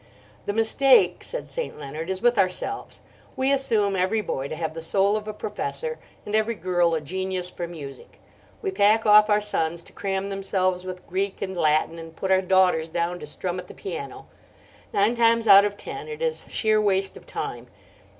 "The mistake," said St. Leonard, "is with ourselves. We assume every boy to have the soul of a professor, and every girl a genius for music. We pack off our sons to cram themselves with Greek and Latin, and put our daughters down to strum at the piano. Nine times out of ten it is sheer waste of time.